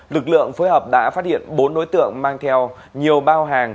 lực lượng phối hợp đã phát hiện bốn đối tượng mang theo nhiều bao hàng